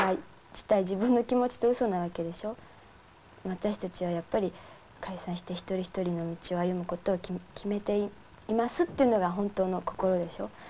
私たちはやっぱり解散して一人一人の道を歩むことを決めていますっていうのが本当の心でしょ？